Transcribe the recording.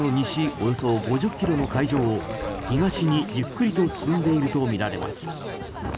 およそ５０ｋｍの海上を東にゆっくりと進んでいるとみられます。